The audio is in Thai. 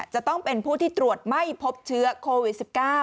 จะต้องเป็นผู้ที่ตรวจไม่พบเชื้อโควิด๑๙